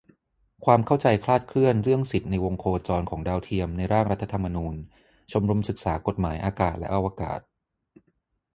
ความเข้าใจคลาดเคลื่อนเรื่องสิทธิในวงโคจรของดาวเทียมในร่างรัฐธรรมนูญ - ชมรมศึกษากฎหมายอากาศและอวกาศ